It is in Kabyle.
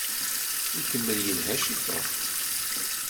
Ikemmel yelḥa ciṭuḥ.